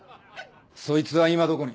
そいつは今どこに？